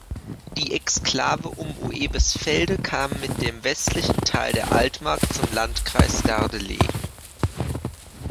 Die Exklave um Oebisfelde kam mit dem westlichen Teil der Altmark zum Landkreis Gardelegen.